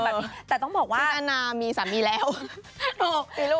ชื่นนานามีสันลองมีแม่แล้ว